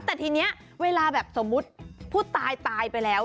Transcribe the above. แต่ทีนี้เวลาแบบสมมุติผู้ตายตายไปแล้ว